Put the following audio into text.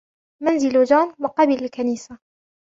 منزل جون مقابل الكنيسة.